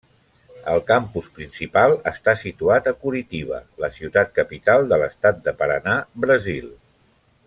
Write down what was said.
El campus principal està situat a Curitiba, la ciutat capital de l'Estat de Paraná, Brasil.